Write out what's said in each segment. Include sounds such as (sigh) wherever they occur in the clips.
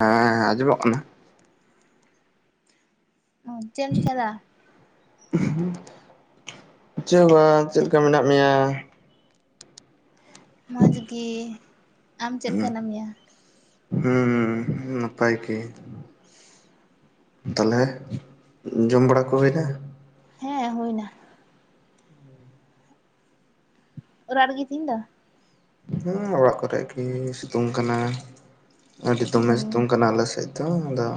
ᱦᱮᱸ ᱟᱡᱚᱢᱚᱜ ᱠᱟᱱᱟ ᱚ ᱪᱮᱜ ᱮᱢ ᱪᱤᱠᱟᱹᱭ ᱫᱟ ᱪᱟᱹ ᱦᱚᱵᱟᱝ ᱪᱮᱫᱞᱮᱠᱟ ᱢᱮᱱᱟᱜ ᱢᱮᱭᱟ ᱢᱚᱡᱽ ᱜᱮ ᱟᱢ ᱪᱮᱫ ᱞᱮᱠᱟᱢ ᱦᱩᱸ ᱢᱮᱱᱟᱜ ᱢᱮᱭᱟ ᱦᱩᱸ ᱦᱩ ᱱᱟᱯᱟᱭ ᱜᱮ ᱛᱟᱦᱚᱞᱮ ᱡᱚᱢ ᱵᱟᱲᱟ ᱠᱚ ᱦᱩᱭᱱᱟ ᱦᱮᱸ ᱦᱩᱭ ᱱᱟ ᱟᱲᱟᱜ ᱨᱮᱜᱮ ᱛᱤᱦᱤᱧ ᱫᱚ ᱦᱩᱸ ᱚᱲᱟᱜ ᱠᱚᱨᱮ ᱜᱮ ᱥᱤᱛᱩᱝ ᱠᱟᱱᱟ ᱟᱹᱰᱤ ᱫᱚᱢᱮ ᱦᱩᱸ ᱥᱤᱛᱩᱝ ᱠᱟᱱᱟ ᱟᱞᱮ ᱥᱮᱫ ᱛᱚ ᱟᱫᱚ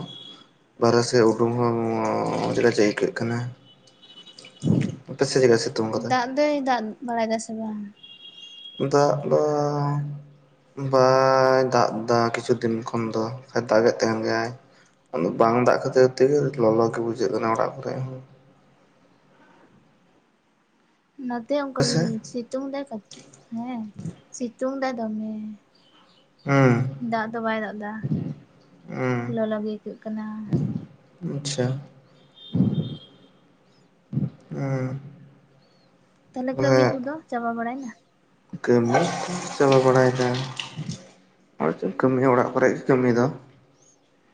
ᱵᱟᱨᱦᱮ ᱥᱮᱫ ᱩᱰᱩᱝ ᱦᱚᱸ ᱪᱮᱜ ᱠᱟ ᱡᱮ ᱟᱹᱭᱠᱟᱹᱜ ᱠᱟᱱᱟ ᱟᱯᱮᱥᱮᱫ ᱪᱮᱠᱟᱹ ᱥᱮ ᱫᱟᱜ ᱫᱚᱭ ᱫᱟᱜ ᱵᱟᱲᱟᱭ ᱫᱟ ᱥᱮ ᱵᱟᱝ ᱫᱟᱜ ᱫᱟᱝ ᱵᱟᱭ ᱫᱟᱜ ᱮᱫᱟ ᱠᱤᱪᱷᱩ ᱫᱤᱱ ᱠᱷᱚᱱ ᱫᱚ ᱫᱟᱜ ᱮ ᱛᱟᱦᱮᱱ ᱜᱮᱭᱟᱭ ᱵᱟᱝ ᱫᱟᱜ ᱠᱷᱟᱹᱛᱤᱨ ᱛᱮᱜᱮ ᱞᱚᱞᱚ ᱜᱮ ᱵᱩᱡᱷᱟᱹᱜ ᱠᱟᱱᱟ ᱚᱲᱟᱜ ᱠᱚᱨᱮ ᱱᱚᱛᱮ ᱚᱱᱠᱟ ᱜᱮ ᱦᱮᱸᱥᱮ ᱥᱤᱛᱩᱝ ᱫᱟᱭ ᱦᱮᱸ ᱥᱤᱛᱩᱝ ᱫᱟᱭ ᱫᱚᱢᱮ ᱦᱩᱸ ᱫᱟᱜ ᱫᱚ ᱵᱟᱭ ᱫᱟᱜ ᱫᱟ ᱦᱩᱸ ᱞᱚᱞᱚ ᱜᱮ ᱟᱹᱭᱠᱟᱹᱜ ᱠᱟᱱᱟ ᱟᱪᱪᱷᱟ ᱦᱮᱸ ᱛᱟᱦᱚᱞᱮ ᱠᱟᱹᱢᱤ ᱠᱚᱫᱚ ᱪᱟᱵᱟ ᱵᱟᱲᱟᱭᱮᱱᱟ ᱠᱟᱹᱢᱤ ᱠᱚ ᱪᱟᱵᱟ ᱵᱟᱲᱟᱭᱮᱫᱟ ᱱᱚᱜ-ᱚᱭ ᱮᱛᱮᱫ ᱠᱟᱹᱢᱤ ᱚᱲᱟᱜ ᱠᱚᱨᱮ ᱜᱮ ᱠᱟᱹᱢᱤ ᱫᱚ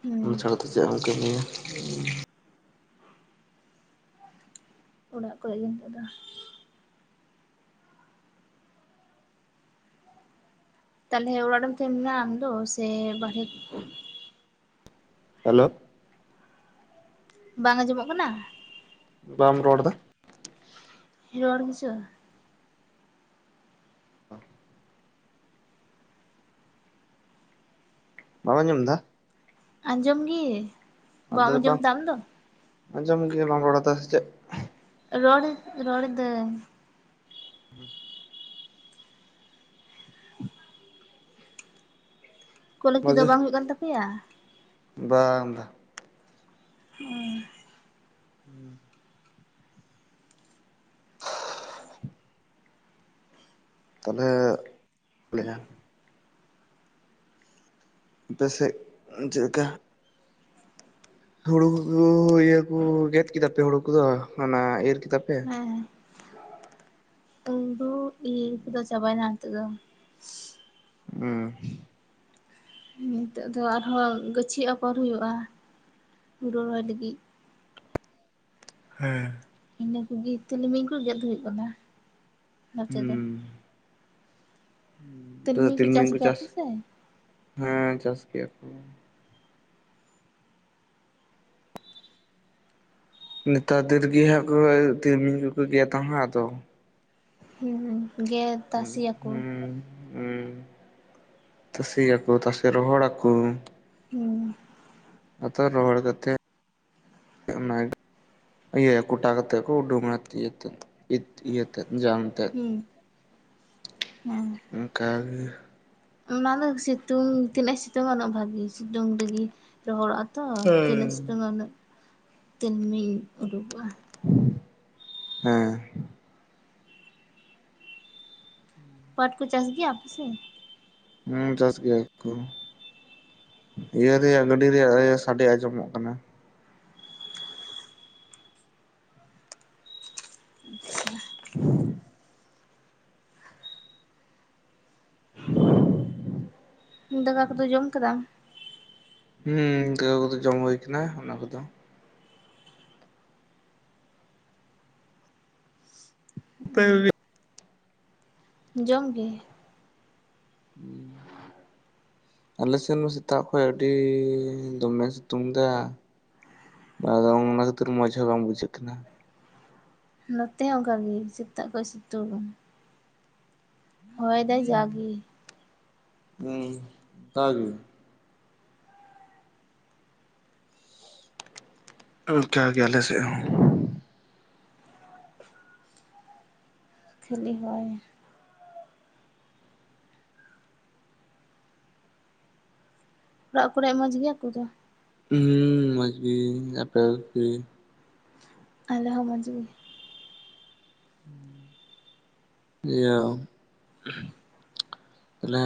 ᱦᱩᱸ ᱚᱱᱟ ᱪᱷᱟᱲᱟ ᱫᱚ ᱪᱮᱫ ᱮᱢ ᱠᱟᱹᱢᱤᱭᱟ ᱚᱲᱟᱜ ᱠᱚᱨᱮᱜ ᱱᱤᱛᱚᱜ ᱫᱚ ᱛᱟᱦᱚᱞᱮ ᱚᱲᱟᱜ ᱨᱮᱢ ᱛᱟᱦᱮᱱ ᱠᱟᱱᱟ ᱟᱢᱫᱚ ᱥᱮ ᱵᱟᱨᱦᱮ ᱦᱮᱞᱳ ᱵᱟᱝ ᱟᱸᱡᱚᱢᱚᱜ ᱠᱟᱱᱟ ᱵᱟᱢ ᱨᱚᱲ ᱮᱫᱟ ᱨᱚᱲ ᱜᱮᱪᱚ ᱵᱟᱢ ᱟᱡᱚᱢ ᱫᱟ ᱟᱸᱡᱚᱢ ᱜᱮ ᱟᱫᱚ ᱵᱟᱢ ᱟᱸᱡᱚᱢ ᱱᱤᱛᱚᱝ ᱫᱟ ᱟᱢ ᱫᱚ? ᱟᱸᱡᱚᱢ ᱜᱤ ᱵᱟᱢ ᱨᱚᱲ ᱮᱫᱟ ᱥᱮ ᱪᱮᱫ ᱨᱚᱲ ᱨᱚᱲ ᱫᱟᱹᱧ (inaudible) ᱠᱚᱞᱮᱡᱽ ᱠᱤ ᱢᱚᱡᱽ ᱫᱚ ᱵᱟᱝ ᱦᱩᱭᱩᱜ ᱠᱟᱱ ᱛᱟᱯᱮᱭᱟ? ᱵᱟᱝ ᱵᱟᱝ (inaudible) (inaudible) (unintelligible) ᱛᱟᱦᱚᱞᱮ (inaudible) ᱟᱯᱮ ᱥᱮᱫ ᱪᱮᱫ ᱞᱮᱠᱟ? ᱦᱩᱲᱩ ᱠᱚ ᱤᱭᱟᱹ ᱠᱚ ᱜᱮᱫ ᱠᱮᱫᱟ ᱯᱮ ᱦᱩᱲᱩ ᱠᱚᱫᱚ, ᱚᱱᱟ ᱤᱨ ᱠᱮᱫᱟ ᱯᱮ? ᱦᱮᱸ ᱤᱨ ᱠᱚᱫᱚ ᱪᱟᱵᱟᱭᱱᱟ ᱱᱤᱛᱚᱜ ᱫᱚ᱾ (unintelligible) ᱱᱤᱛᱚᱜ ᱫᱚ ᱟᱨᱦᱚᱸ ᱜᱟᱹᱪᱷᱤ ᱟᱯᱷᱚᱨ ᱦᱩᱭᱩᱜ-ᱟ, ᱦᱩᱲᱩ ᱨᱚᱦᱚᱭ ᱞᱟᱹᱜᱤᱫ᱾ ᱦᱮᱸ ᱤᱱᱟᱹ ᱠᱚᱜᱮ ᱛᱤᱞᱢᱤᱧ ᱠᱚ ᱜᱮᱫ ᱦᱩᱭᱩᱜ ᱠᱟᱱᱟ ᱱᱚᱛᱮ ᱦᱩᱸ ᱫᱚ ᱛᱤᱞᱢᱤᱧ ᱠᱚ ᱪᱟᱥ ᱦᱮᱸ ᱪᱟᱥ ᱜᱮᱭᱟ ᱠᱚ ᱱᱮᱛᱟᱨ ᱫᱤᱱᱨᱮᱜᱮ ᱦᱟᱸᱜ ᱠᱚ ᱛᱤᱞᱢᱤᱧ ᱠᱚᱠᱚ ᱜᱮᱛᱟ ᱦᱟᱸᱜ ᱟᱫᱚ ᱩᱸ ᱩᱸ ᱜᱮᱫ ᱦᱩᱸ ᱛᱟᱥᱮᱭᱟᱠᱚ ᱦᱩᱸ ᱛᱟᱥᱮᱭᱟᱠᱚ ᱛᱟᱥᱮ ᱨᱚᱦᱚᱲᱟᱠᱚ ᱦᱮᱸ ᱟᱫᱚ ᱨᱚᱦᱚᱲ ᱠᱟᱛᱮᱫ ᱚᱱᱟ ᱜᱮ ᱤᱭᱟᱹ ᱠᱩᱴᱟ ᱠᱟᱛᱮ ᱠᱚ ᱩᱸᱰᱩᱝᱟ ᱤᱭᱟᱹ ᱤᱭᱟᱹᱛᱮᱫ ᱡᱟᱝᱛᱮᱫ, ᱦᱩᱸ ᱦᱮᱸ ᱚᱱᱠᱟ ᱜᱮ ᱚᱱᱟ ᱫᱚ ᱥᱤᱛᱩᱝ ᱛᱤᱱᱟᱹᱜ ᱥᱤᱛᱩᱝ ᱩᱱᱟᱹᱜ ᱵᱷᱟᱜᱤ ᱥᱤᱛᱩᱝ ᱨᱤᱜᱤ ᱨᱚᱦᱚᱲᱚᱜ-ᱟ ᱛᱚ ᱛᱤᱱᱟᱹᱜ ᱦᱮᱸ ᱥᱤᱛᱩᱝᱟ ᱩᱱᱟᱹᱜ ᱛᱤᱞᱢᱤᱧ ᱩᱰᱩᱠᱚᱜᱼᱟ ᱦᱮᱸ ᱯᱟᱴ ᱠᱩ ᱪᱟᱥ ᱜᱮᱭᱟ ᱟᱯᱮ ᱥᱮᱫ? ᱦᱮᱸ ᱪᱟᱥ ᱜᱮᱭᱟ ᱠᱚ ᱤᱭᱟᱹ ᱨᱮᱭᱟᱜ ᱜᱟᱹᱰᱤ ᱨᱮᱭᱟᱜ ᱥᱟᱰᱤ ᱟᱸᱡᱚᱢᱚᱜ ᱠᱟᱱᱟ᱾ (inaudible) (inaudible) ᱫᱟᱠᱟ ᱠᱚᱫᱚ ᱡᱚᱢ ᱠᱮᱫᱟᱢ? ᱦᱩᱸ ᱜᱟᱹᱣ ᱠᱚᱫᱚ ᱡᱚᱢ ᱦᱩᱭᱩ ᱠᱟᱱᱟ ᱚᱱᱟ ᱠᱚᱫᱚ (unintelligible) ᱡᱚᱢ ᱜᱮ (inaudible) ᱟᱞᱮ ᱥᱮᱱ ᱢᱟ ᱥᱮᱛᱟᱜ ᱠᱷᱚᱱ ᱟᱹᱰᱤ ᱫᱚᱢᱮ ᱥᱤᱛᱩᱝ ᱫᱟ ᱟᱫᱚ ᱚᱱᱟ ᱠᱷᱟᱹᱛᱤᱨ ᱢᱚᱸᱡᱽ ᱦᱚᱸ ᱵᱟᱝ ᱵᱩᱡᱷᱟᱹᱜ ᱠᱟᱱᱟ᱾ ᱱᱚᱛᱮ ᱦᱚᱸ ᱚᱱᱠᱟ ᱜᱮ ᱥᱮᱛᱟᱜ ᱠᱷᱚᱡ ᱥᱤᱛᱩᱝ ᱦᱚᱭ ᱫᱟᱭ ᱡᱟᱜᱮ ᱦᱮᱸ ᱫᱟᱜ ᱜᱮ ᱚᱱᱠᱟ ᱜᱮ ᱟᱞᱮ ᱥᱮ ᱦᱚᱸ ᱠᱷᱮᱞᱤ ᱦᱚᱭ ᱚᱲᱟᱜ ᱠᱚᱨᱮ ᱢᱚᱡᱽ ᱜᱮᱭᱟᱠᱩ ᱫᱚ ᱦᱩᱸ ᱢᱚᱡᱽ ᱜᱤ ᱟᱯᱮ ᱠᱚ ᱜᱤ ᱟᱞᱮ ᱦᱚᱸ ᱢᱚᱪᱽ ᱜᱤ (inaudible) ᱤᱭᱟᱹ ᱛᱟᱦᱚᱞᱮ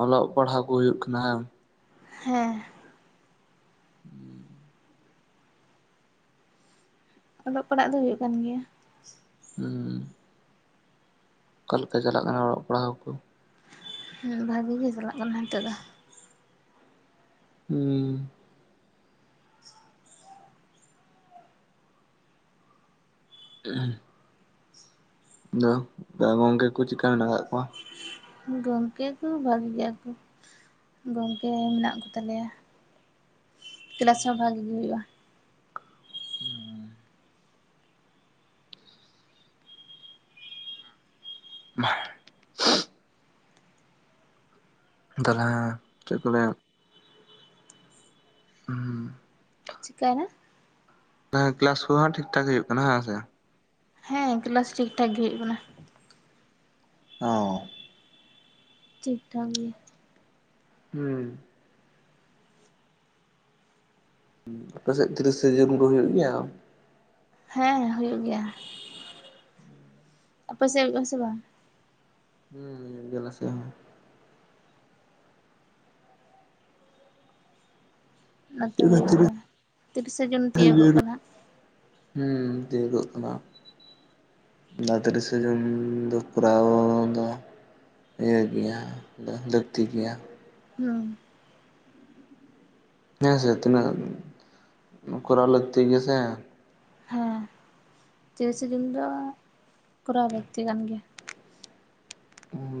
ᱚᱞᱚᱜ ᱯᱟᱲᱦᱟᱣ ᱠᱚ ᱦᱩᱭᱩᱜ ᱠᱟᱱᱟ? ᱦᱮᱸ᱾ ᱦᱩᱸ (inaudible) ᱚᱞᱚᱜ ᱯᱟᱲᱦᱟᱜ ᱫᱚ ᱦᱩᱭᱩᱜ ᱠᱟᱱ ᱜᱮᱭᱟ ᱾ ᱦᱩᱸ ᱚᱠᱟ ᱞᱮᱠᱟ ᱪᱟᱞᱟᱜ ᱠᱟᱱᱟ ᱚᱞᱚᱜ ᱯᱟᱲᱦᱟᱣ ᱠᱚ? ᱦᱩᱸ ᱵᱷᱟᱜᱮ ᱜᱮ ᱪᱟᱞᱟᱜ ᱠᱟᱱᱟ ᱱᱤᱛᱚᱜ ᱫᱚ ᱾ ᱦᱩᱸ ᱟᱨ (unintelligible) ᱫᱚ ᱜᱚᱝᱠᱮ ᱠᱚ ᱪᱮᱜᱠᱟ ᱢᱮᱱᱟᱜ ᱠᱟ ᱠᱚᱣᱟ? ᱜᱚᱝᱠᱮ ᱠᱚ ᱵᱷᱟᱹᱜᱮ ᱜᱮᱭᱟ ᱠᱚ ᱾ ᱜᱚᱝᱠᱮ ᱢᱮᱱᱟᱜ ᱠᱚᱛᱟᱞᱮᱭᱟ ᱠᱮᱞᱟᱥ ᱦᱚᱸ ᱵᱷᱟᱜᱮ ᱜᱮ ᱦᱩᱭᱩᱜᱼᱟ ᱾ ᱦᱩᱸ (inaudible) ᱢᱟᱜ ᱛᱟᱦᱚᱞᱮ ᱪᱮᱫ ᱠᱚ ᱞᱟᱹᱭᱟ ᱦᱩᱸ ᱪᱤᱠᱟᱭᱱᱟ? ᱦᱮ ᱠᱮᱞᱟᱥ ᱠᱚᱦᱚᱸ ᱴᱷᱤᱠ ᱴᱷᱟᱠ ᱦᱩᱭᱩᱜ ᱠᱟᱱᱟ ᱦᱮᱸ ᱥᱮ? ᱦᱮᱸ ᱠᱮᱞᱟᱥ ᱴᱷᱤᱠ ᱴᱷᱟᱠ ᱜᱮ ᱦᱩᱭᱩᱜ ᱠᱟᱱᱟ ᱾ ᱚᱻ, ᱴᱷᱤᱠ ᱴᱷᱟᱠ ᱜᱮ ᱾ ᱦᱩᱸᱻ ᱟᱯᱮ ᱥᱮᱫ ᱛᱤᱨᱤᱥᱮ ᱡᱩᱱ ᱠᱚ ᱦᱩᱭᱩᱜ ᱜᱮᱭᱟ? ᱦᱮᱸ ᱦᱩᱭᱩᱜ ᱜᱮᱭᱟ, ᱟᱯᱮ ᱥᱮᱜ ᱦᱩᱭᱩᱜᱼᱟ ᱥᱮ ᱵᱟᱝ? ᱦᱩᱸ ᱟᱞᱮ ᱥᱮ ᱦᱚᱸ ᱾ ᱚᱱᱟᱛᱮ ᱦᱩᱭᱩᱜ ᱜᱮᱭᱟ, ᱛᱤᱨᱤᱥᱟ ᱡᱚᱱ ᱛᱤᱭᱳᱜᱚᱜ ᱠᱟᱱᱟ ᱦᱟᱸᱜ ᱾ ᱦᱩᱸ ᱛᱤᱭᱳᱜᱟᱜ ᱠᱟᱱᱟ ᱾ ᱫᱟ ᱛᱨᱤᱥᱮ ᱡᱩᱱ ᱫᱚ ᱠᱚᱨᱟᱣ ᱫᱚ ᱤᱭᱟᱹ ᱜᱮᱭᱟ ᱫᱚ ᱞᱟᱹᱠᱛᱤ ᱜᱮᱭᱟ ᱾ ᱦᱚᱸ ᱦᱮᱸ ᱥᱮ ᱛᱤᱱᱟᱹᱜ ᱠᱚᱨᱟᱣ ᱞᱟᱹᱠᱛᱤ ᱜᱮᱭᱟ ᱥᱮ ᱾ ᱛᱨᱤᱥᱮ ᱡᱩᱜ ᱫᱚ, ᱠᱚᱨᱟᱣ ᱞᱟᱹᱠᱛᱤ ᱠᱟᱱ ᱜᱮᱭᱟ ᱾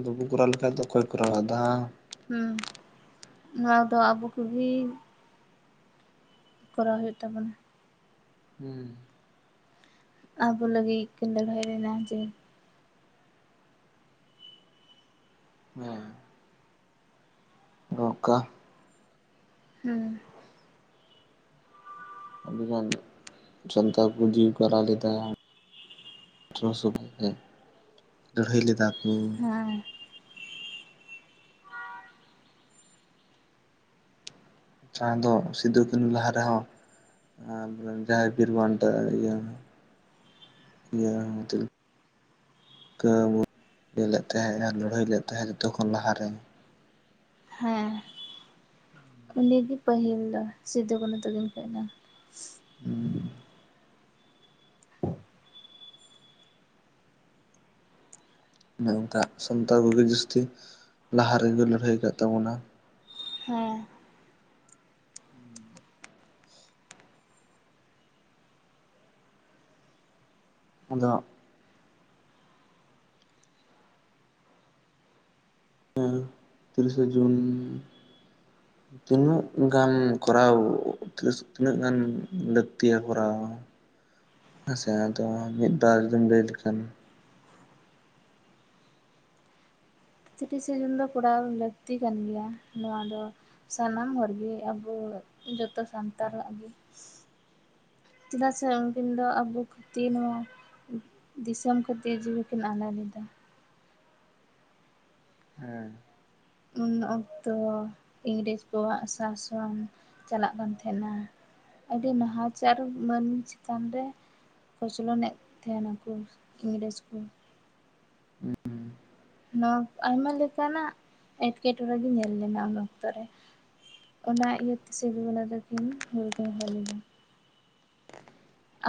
ᱵᱟᱵᱩ ᱠᱚᱨᱟᱣ ᱞᱮᱠᱷᱟᱱ ᱫᱚ ᱚᱠᱚᱭ ᱠᱚᱨᱟᱣᱟ ᱫᱟ ᱾ ᱦᱩᱸ ᱱᱚᱣᱟ ᱫᱚ ᱟᱵᱚ ᱠᱚᱜᱤ ᱠᱚᱨᱟᱣ ᱦᱩᱭᱩᱜ ᱛᱟᱵᱚᱱᱟ ᱾ ᱦᱩᱸ ᱟᱵᱚ ᱞᱟᱹᱜᱤᱜ ᱠᱚ ᱞᱟᱹᱲᱦᱟᱹᱭ ᱞᱮᱱᱟ ᱡᱮ ᱦᱮᱸ ᱫᱚᱨᱠᱟ ᱦᱩᱸ ᱟᱹᱰᱤ ᱜᱟᱱ ᱥᱟᱱᱛᱟᱲ ᱠᱚ ᱡᱤᱣᱤ ᱠᱚ ᱟᱞᱟᱭᱞᱮᱫᱟ᱾ ᱟᱴᱷᱚᱨᱚᱥᱚ ᱯᱧᱪᱟᱱᱚ ᱞᱟᱹᱲᱦᱟᱹᱭ ᱞᱮᱫᱟ ᱠᱚ᱾ ᱦᱮᱸ ᱡᱟᱦᱟᱸ ᱫᱚ ᱥᱤᱫᱩ ᱠᱟᱹᱱᱩ ᱞᱟᱦᱟ ᱨᱮᱦᱚᱸ᱾ ᱡᱟᱦᱟᱸᱭ ᱵᱤᱨ ᱵᱟᱱᱴᱟ ᱤᱭᱟᱹ ᱮᱭᱟᱸ ᱛᱤᱞᱠᱟᱹ ᱢᱩᱨᱢᱩ ᱞᱮᱫ ᱛᱟᱦᱮᱸᱜ ᱟᱨ ᱞᱟᱹᱲᱦᱟᱹᱭ ᱞᱮᱫ ᱛᱟᱦᱮᱸᱫ ᱡᱚᱛᱚ ᱠᱷᱚᱱ ᱞᱟᱦᱟᱨᱮ᱾ ᱦᱮᱸ᱾ ᱩᱱᱤᱜᱮ ᱯᱟᱹᱦᱤᱞ ᱫᱚ ᱥᱤᱫᱩ ᱠᱩᱱᱩ ᱛᱟᱠᱤᱱ ᱠᱷᱚᱡ ᱫᱚ᱾ (unintelligible) ᱚᱱᱮ ᱚᱱᱠᱟ ᱥᱟᱱᱛᱟᱲ ᱠᱚᱜᱮ ᱡᱟᱹᱥᱛᱤ ᱞᱟᱦᱟ ᱨᱮᱜᱮ ᱠᱚ ᱞᱟᱹᱲᱦᱟᱹᱭ ᱠᱟᱜ ᱛᱟᱵᱚᱱᱟ᱾ ᱦᱮᱸ ᱟᱫᱚ ᱦᱮ ᱛᱤᱨᱤᱥᱮ ᱡᱩᱱ (unintelligible) ᱛᱤᱱᱟᱹᱜ ᱜᱟᱱ ᱠᱚᱨᱟᱣ ᱛᱤᱨᱤ ᱛᱤᱱᱟᱹᱜ ᱜᱟᱱ ᱞᱟᱹᱠᱛᱤᱭᱟ ᱠᱚᱨᱟᱣ? (unintelligible) ᱦᱮᱸᱥᱮ ᱟᱫᱚ ᱢᱤᱫ ᱵᱟᱨᱫᱚᱢ ᱞᱟᱹᱭ ᱞᱮᱠᱷᱟᱱ ᱛᱤᱨᱤᱥᱮ ᱡᱩᱱ ᱫᱚ ᱠᱚᱨᱟᱣ ᱞᱟᱹᱠᱛᱤ ᱠᱟᱱ ᱜᱮᱭᱟ ᱱᱚᱣᱟ ᱫᱚ᱾ ᱥᱟᱱᱟᱢ ᱦᱚᱲᱜᱮ ᱟᱵᱚ ᱡᱚᱛᱚ ᱥᱟᱱᱛᱟᱲᱟᱜ ᱜᱮ ᱪᱮᱫᱟᱜ ᱥᱮ ᱩᱱᱠᱤᱱ ᱫᱚ ᱟᱵᱚ ᱠᱷᱟᱹᱛᱤᱨ ᱱᱚᱣᱟ ᱫᱤᱥᱚᱢ ᱠᱷᱟᱹᱛᱤᱨ ᱡᱤᱣᱤ ᱠᱤᱱ ᱟᱞᱟᱭ ᱞᱮᱫᱟ᱾ ᱦᱮᱸ ᱩᱱ ᱚᱠᱛᱚ ᱤᱝᱨᱮᱡᱽ ᱠᱚᱣᱟᱜ ᱥᱟᱥᱚᱱ ᱪᱟᱞᱟᱜ ᱠᱟᱱ ᱛᱟᱦᱮᱱᱟ᱾ ᱟᱹᱰᱤ ᱱᱟᱦᱟᱪᱟᱨ ᱢᱟᱹᱱᱢᱤ ᱪᱮᱛᱟᱱ ᱨᱮ ᱠᱚᱪᱞᱚᱱᱮᱜ ᱛᱟᱦᱮᱱᱟ ᱠᱚ ᱤᱝᱨᱮᱡ ᱠᱚ ᱱᱚᱣᱟ ᱟᱭᱢᱟ ᱞᱮᱠᱟᱱᱟᱜ ᱮᱴᱠᱮᱴᱚᱲᱮᱜᱮ ᱧᱮᱞ ᱞᱮᱱᱟ ᱩᱱ ᱚᱠᱛᱚ ᱨᱮ᱾ ᱚᱱᱟ ᱤᱭᱟᱹᱛᱮ ᱥᱤᱫᱩ ᱠᱟᱹᱦᱱᱤ ᱛᱟᱠᱤᱱ ᱦᱩᱞᱠᱤᱱ ᱦᱚᱦᱟ ᱞᱮᱫᱟ᱾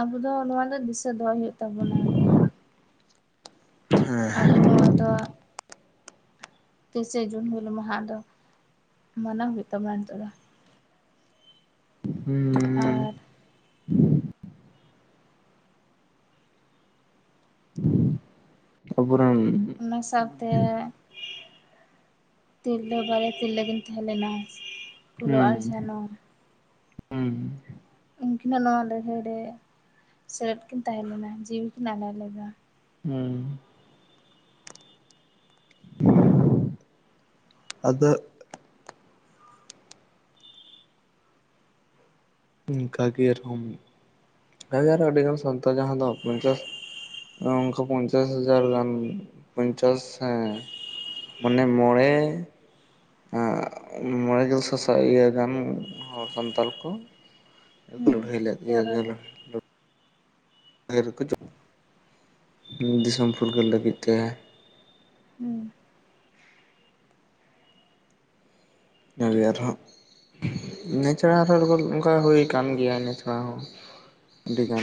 ᱟᱵᱚ ᱫᱚ ᱱᱚᱣᱟ ᱫᱚ ᱫᱤᱥᱟᱹ ᱫᱚᱦᱚᱭ ᱦᱩᱭᱩᱜ ᱛᱟᱵᱚᱱᱟ᱾ ᱟᱵᱚ ᱱᱚᱣᱟ ᱫᱚ ᱛᱤᱨᱤᱥᱮ ᱡᱩᱱ ᱦᱤᱞᱢᱟᱦᱟ ᱫᱚ ᱢᱟᱱᱟᱣ ᱦᱩᱭᱩᱜ ᱛᱟᱢᱚᱱᱟ ᱱᱤᱛᱚᱜ ᱫᱚ᱾ ᱦᱮᱸ ᱟᱨ ᱟᱵᱚᱨᱮᱱ ᱚᱱᱟ ᱥᱟᱶᱛᱮ ᱛᱤᱨᱞᱟᱹ ᱵᱟᱨᱮᱭᱲ ᱤᱨᱞᱟᱹ ᱠᱤᱱ ᱛᱟᱦᱮᱸᱞᱮᱱᱟ ᱯᱷᱩᱞᱳ ᱟᱨ ᱡᱷᱟᱱᱚ᱾ ᱩᱸ ᱩᱱᱠᱤᱱᱟᱜ ᱱᱚᱣᱟ ᱞᱟᱹᱲᱦᱟᱹᱭ ᱨᱮ ᱥᱮᱞᱮᱫ ᱠᱤᱱ ᱛᱟᱦᱮᱸ ᱞᱮᱱᱟ ᱡᱤᱣᱤᱠᱤᱱ ᱟᱞᱟᱭ ᱞᱮᱫᱟ᱾ ᱦᱩᱸ ᱟᱫᱚ ᱚᱱᱠᱟᱜᱮ ᱟᱨᱦᱚᱸ ᱚᱱᱠᱟᱜᱮ ᱟᱨᱦᱚᱸ ᱟᱹᱰᱤᱜᱟᱱ ᱥᱟᱱᱛᱟᱲ ᱡᱟᱦᱟᱸ ᱫᱚ ᱯᱚᱧᱪᱟᱥ ᱚᱱᱠᱟ ᱯᱚᱧᱪᱟᱥ ᱦᱟᱡᱟᱨ ᱜᱟᱱ ᱯᱚᱧᱪᱟᱥ ᱦᱮᱸ ᱢᱟᱱᱮ ᱢᱚᱬᱮ ᱮᱜ ᱢᱚᱬᱮ ᱜᱮᱞ ᱥᱟᱥᱟᱭ ᱤᱭᱟᱹ ᱜᱟᱱ ᱦᱚᱲ ᱥᱟᱱᱛᱟᱞ ᱠᱚ ᱦᱩᱸ ᱞᱟᱹᱲᱦᱟᱹᱭ ᱞᱮᱫ ᱡᱟᱣᱨᱟᱞᱮᱱᱟ᱾ ᱜᱮᱭᱟ (unintelligible) (unintelligible) ᱫᱤᱥᱚᱢ ᱯᱷᱩᱨᱜᱟᱹᱞ ᱞᱟᱹᱜᱤᱫ ᱛᱮ, ᱦᱩᱸ ᱮᱱᱟᱹᱜᱮ ᱟᱨᱦᱚᱸ ᱤᱱᱟᱹ ᱪᱟᱲᱟ ᱚᱱᱠᱟ ᱦᱩᱭ ᱟᱠᱟᱱ ᱜᱮᱭᱟ ᱤᱱᱟᱹ ᱪᱷᱟᱲᱟ ᱦᱚᱸ ᱟᱹᱰᱤᱜᱟᱱ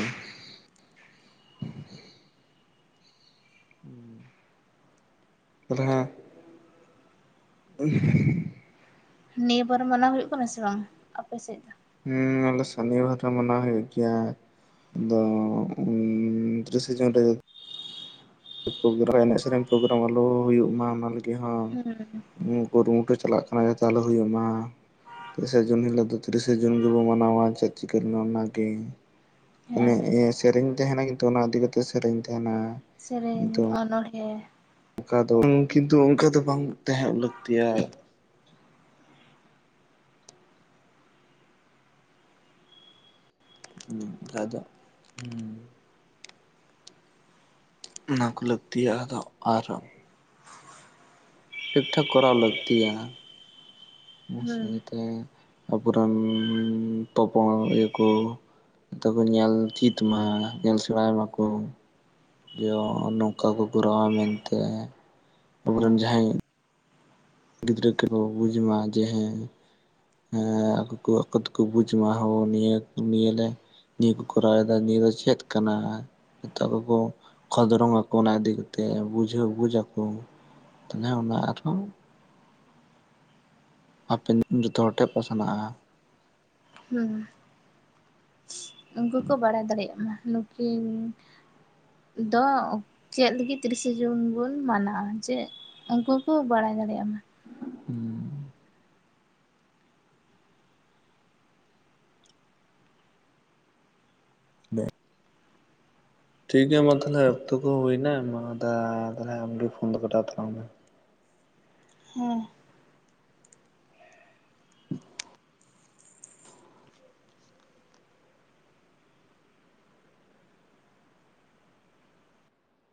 (unintelligible) ᱦᱮᱸ (unintelligible) ᱱᱤᱭᱟᱹ ᱵᱟᱨ ᱢᱟᱱᱟᱣ ᱦᱩᱭᱩᱜ ᱠᱟᱱᱟ ᱥᱮ ᱵᱟᱝ ᱟᱯᱮ ᱥᱮᱫ ᱫᱚ ᱦᱩᱸ ᱟᱞᱮ ᱥᱟᱱᱤᱵᱟᱨ ᱨᱮ ᱢᱟᱱᱟ ᱦᱩᱭᱩᱜ ᱜᱮᱭᱟ ᱫᱚ (unintelligible) ᱥᱡᱚᱱ ᱨᱮ (inaudible) ᱮᱱᱮᱡ ᱥᱮᱨᱮᱧ ᱯᱨᱳᱜᱨᱟᱢ ᱟᱞᱚ ᱦᱩᱭᱩᱜ ᱢᱟ ᱚᱱᱟ ᱞᱟᱹᱜᱤᱫ ᱦᱚᱸᱼᱼ ᱦᱩᱸ ᱠᱩᱨᱩᱢᱩᱴᱩ ᱪᱟᱞᱟᱜ ᱠᱟᱱᱟ ᱡᱟᱛᱮ ᱟᱞᱚ ᱦᱩᱭᱩᱜᱳ ᱢᱟ ᱛᱮᱤᱥᱮᱟ ᱡᱩᱱ ᱦᱤᱞᱳᱜ ᱫᱚ ᱛᱤᱨᱤᱥᱟ ᱡᱩᱱ ᱜᱮᱵᱚ ᱢᱟᱱᱟᱣᱟ ᱪᱟᱹ ᱪᱤᱠᱮᱞ ᱚᱱᱟᱜᱮ ᱢᱟᱱᱮ ᱦᱮᱸ ᱤᱧ ᱥᱮᱨᱮᱧ ᱛᱟᱦᱮᱱᱟᱧ ᱛᱚ ᱚᱱᱟ ᱤᱫᱤ ᱠᱟᱛᱮ ᱥᱮᱨᱮᱧ ᱛᱟᱦᱮᱱᱟ ᱥᱮᱨᱮᱧ ᱠᱤᱱᱛᱩ ᱚᱱᱚᱬᱦᱮᱸ ᱚᱱᱠᱟ ᱫᱚ ᱠᱤᱱᱛᱩ ᱚᱱᱠᱟ ᱫᱚ ᱵᱟᱝ ᱛᱟᱦᱮᱸ ᱞᱟᱹᱠᱛᱤᱭᱟ᱾ ᱦᱩ ᱟᱫᱚ ᱦᱩ ᱚᱱᱟ ᱠᱚ ᱞᱟᱹᱠᱛᱤᱭᱟ ᱟᱫᱚ ᱟᱨ ᱴᱷᱤᱠ ᱴᱷᱟᱠ ᱠᱚᱨᱟᱣ ᱞᱟᱹᱠᱛᱤᱭᱟ ᱦᱩᱸ (unintelligible) ᱛᱮ ᱟᱵᱚᱨᱮᱱ ᱛᱚᱯᱚᱲ ᱤᱭᱟᱹ ᱠᱚ ᱡᱚᱛᱚ ᱠᱚ ᱧᱮᱞ ᱪᱮᱫ ᱢᱟ ᱧᱮᱞ ᱥᱮᱬᱟᱭ ᱢᱟᱠᱚ ᱡᱮ ᱱᱚᱝᱠᱟ ᱠᱚ ᱠᱚᱨᱟᱣᱟ ᱢᱮᱱᱛᱮ ᱟᱵᱚᱨᱮᱱ ᱦᱮᱸ ᱡᱟᱦᱟᱸᱭ ᱜᱤᱫᱽᱨᱟᱹ ᱠᱚᱠᱚ ᱵᱩᱡᱽᱢᱟ ᱡᱮ ᱦᱮᱸ ᱦᱮᱸ ᱟᱠᱚ ᱠᱚ ᱟᱠᱚ ᱫᱚᱠᱚ ᱵᱩᱡᱽ ᱢᱟ ᱦᱳ ᱱᱤᱭᱟᱹ ᱱᱤᱭᱟᱹᱞᱮ ᱱᱤᱭᱟᱹ ᱠᱚ ᱠᱚᱨᱟᱣ ᱮᱫᱟ ᱱᱤᱭᱟᱹ ᱫᱚ ᱪᱮᱫ ᱠᱟᱱᱟ (unintelligible) ᱚᱠᱷᱚᱫᱨᱚᱝ ᱟᱠᱚ ᱚᱱᱟᱤᱫᱤ ᱠᱟᱛᱮ ᱵᱩᱡᱟᱹ ᱵᱩᱡ ᱟᱠᱚ ᱛᱟᱦᱚᱞᱮ ᱚᱱᱟ ᱟᱨᱦᱚᱸ ᱦᱟᱯᱮᱱ ᱡᱚᱛᱚ ᱦᱚᱲ ᱴᱷᱮᱱ ᱯᱟᱥᱱᱟᱜᱼᱟ ᱦᱩᱸ ᱩᱱᱠᱩ ᱠᱚ ᱵᱟᱲᱟᱭ ᱫᱟᱲᱮᱭᱟᱜ ᱢᱟ ᱱᱩᱠᱤᱱ ᱫᱚ ᱪᱮᱫ ᱞᱤᱜᱤᱫ ᱛᱤᱨᱤᱥᱮ ᱡᱩᱱ ᱵᱩᱱ ᱢᱟᱱᱟᱣᱟ ᱪᱮᱫ ᱩᱱᱠᱩ ᱠᱚ ᱵᱟᱲᱟᱭ ᱫᱟᱲᱮᱭᱟᱜᱼᱟ ᱦᱮᱸ ᱵ ᱴᱷᱤᱠ ᱜᱮᱭᱟ ᱢᱟ ᱛᱟᱦᱚᱞᱮ ᱚᱠᱛᱚ ᱠᱚ ᱦᱩᱭᱮᱱᱟ ᱢᱟ ᱛᱟᱦᱚᱞᱮ ᱟᱢᱜᱮ ᱯᱷᱳᱱ ᱫᱚ ᱠᱟᱴᱟᱣ ᱛᱟᱞᱟᱝ ᱢᱮ ᱦᱮᱸ (unintelligible)